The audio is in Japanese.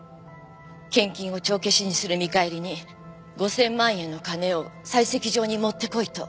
献金を帳消しにする見返りに５０００万円の金を採石場に持ってこいと。